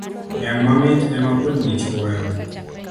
Niang mamit ema kudni chuoyo